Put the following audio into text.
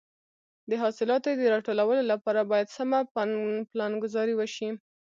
د حاصلاتو د راټولولو لپاره باید سمه پلانګذاري وشي.